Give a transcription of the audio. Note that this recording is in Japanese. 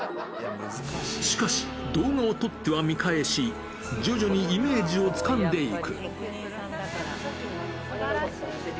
しかし、動画を撮っては見返し、徐々にイメージをつかんでいく。